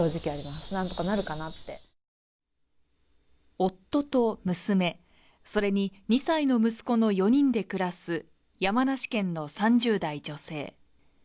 夫と娘、それに２歳の息子の４人で暮らす山梨県の３０代女性。